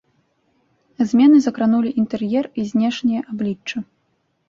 Змены закранулі інтэр'ер і знешняе аблічча.